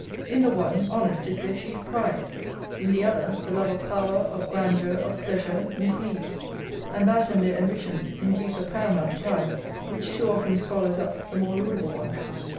In the one, honest is their chief pride. In the other, the love of power, of grandeur, of pleasure, mislead; and that and their ambition induce a paramount pride, which too often swallows up the more laudable one.